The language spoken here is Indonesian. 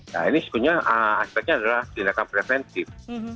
nah ini sebetulnya aspeknya adalah tindakan preventif